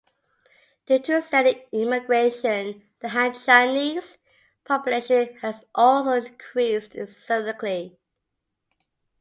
Due to steady immigration, the Han Chinese population has also increased significantly.